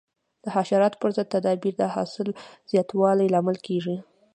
د حشراتو پر ضد تدابیر د حاصل زیاتوالي لامل کېږي.